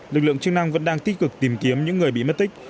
lực lượng chức năng vẫn đang tích cực tìm kiếm những người bị mất tích